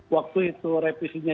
waktu itu revisinya